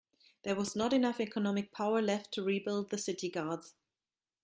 There was not enough economic power left to rebuild the city guards.